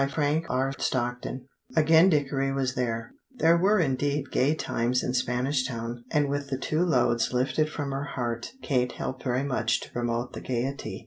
CHAPTER XXXVIII AGAIN DICKORY WAS THERE There were indeed gay times in Spanish Town, and with the two loads lifted from her heart, Kate helped very much to promote the gaiety.